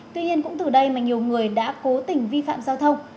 tuy nhiên cũng từ đây mà nhiều người đã cố tình vi phạm giao thông